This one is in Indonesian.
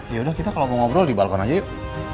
yaudah kita kalau mau ngobrol di balkon aja yuk